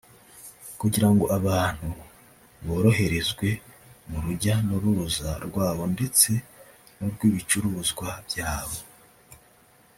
kugira ngo abantu boroherezwe mu rujya n’uruza rwabo ndetse n’urw’ibicuruzwa byabo